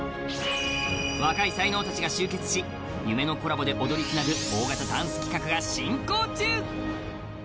若い才能たちが集結し夢のコラボで踊りつなぐ大型ダンス企画が進行中